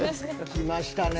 きましたね。